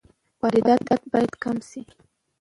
واردات باید کم شي.